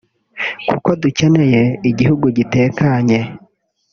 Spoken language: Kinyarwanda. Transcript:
kuko dukeneye igihugu gitekanye